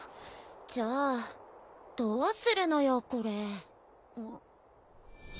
じゃあどうするのよこれ。